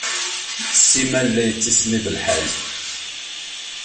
Simal la yettismiḍ lḥal.